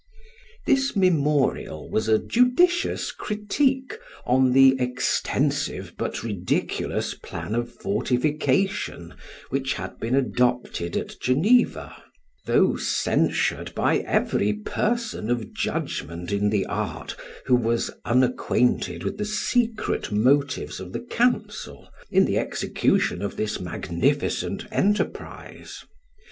This memorial was a judicious critique on the extensive but ridiculous plan of fortification, which had been adopted at Geneva, though censured by every person of judgment in the art, who was unacquainted with the secret motives of the council, in the execution of this magnificent enterprise.